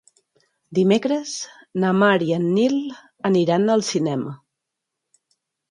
Dimecres na Mar i en Nil aniran al cinema.